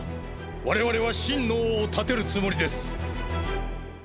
我々は真の王を立てるつもりです。